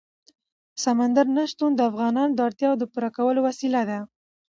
سمندر نه شتون د افغانانو د اړتیاوو د پوره کولو وسیله ده.